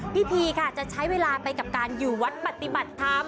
พิธีค่ะจะใช้เวลาไปกับการอยู่วัดปฏิบัติธรรม